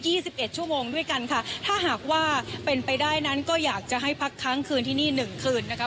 สิบเอ็ดชั่วโมงด้วยกันค่ะถ้าหากว่าเป็นไปได้นั้นก็อยากจะให้พักค้างคืนที่นี่หนึ่งคืนนะคะ